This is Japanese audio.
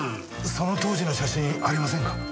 その当時の写真ありませんか？